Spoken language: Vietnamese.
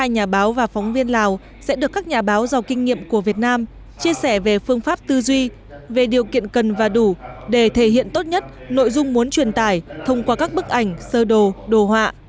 hai mươi nhà báo và phóng viên lào sẽ được các nhà báo giàu kinh nghiệm của việt nam chia sẻ về phương pháp tư duy về điều kiện cần và đủ để thể hiện tốt nhất nội dung muốn truyền tải thông qua các bức ảnh sơ đồ đồ họa